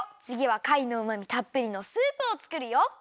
つぎはかいのうまみたっぷりのスープをつくるよ！